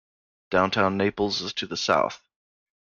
Downtown Naples is to the south.